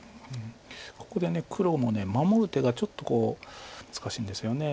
ここで黒も守る手がちょっと難しいんですよね。